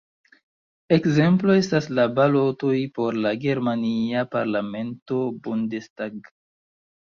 Ekzemplo estas la balotoj por la germania parlamento Bundestag.